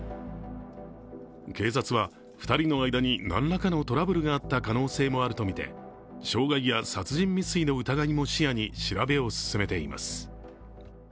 警察は２人の間に何らかのトラブルがあった可能性もあるとみて、傷害や殺人未遂の疑いも視野に調べを進めています。